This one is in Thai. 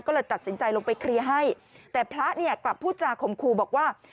ก็เลยตัดสินใจลงไปเคลียร์ให้แต่พระเนี่ยกลับพูดจาข่มครูบอกว่า